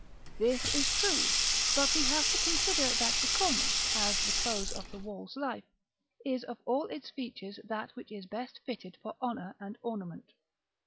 This is true; but we have to consider that the cornice, as the close of the wall's life, is of all its features that which is best fitted for honor and ornament.